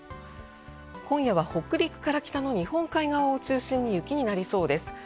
今夜は北陸から北の日本海側を中心に雪になりそうです。